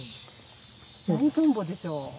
何トンボでしょう？